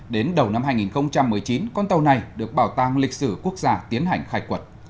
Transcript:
đến đầu năm hai nghìn một mươi chín con tàu này được bảo tàng lịch sử quốc gia tiến hành khai quật